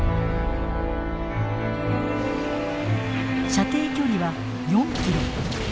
射程距離は４キロ。